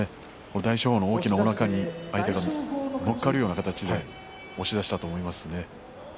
大翔鵬の大きなおなかに相手が乗っかるような形で押し出したと思います。